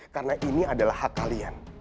karena ini adalah hak kalian